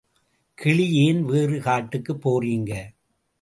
கிளி ஏன் வேறு காட்டுக்குப் போறீங்க?